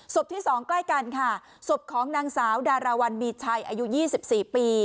ที่๒ใกล้กันค่ะศพของนางสาวดาราวันมีชัยอายุ๒๔ปี